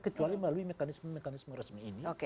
kecuali melalui mekanisme mekanisme resmi ini